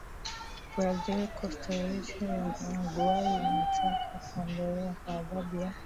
Brazil Costa Rica na Uruguay wametaka kuondolewa kwa adhabu ya